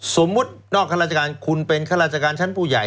สมมุตินอกราชการคุณเป็นราชการชั้นผู้ใหญ่